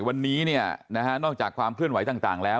วันนี้นอกจากความเคลื่อนไหวต่างแล้ว